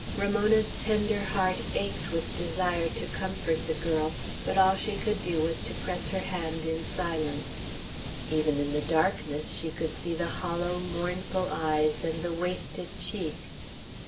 Ramona's tender heart ached with desire to comfort the girl; but all she could do was to press her hand in silence. Even in the darkness she could see the hollow, mournful eyes and the wasted cheek.